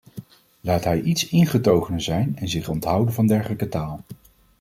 Laat hij iets ingetogener zijn en zich onthouden van dergelijke taal.